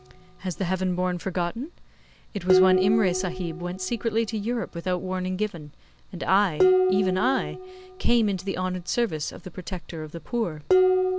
'Has the Heaven born forgotten? It was when Imray Sahib went secretly to Europe without warning given; and I even I came into the honoured service of the protector of the poor.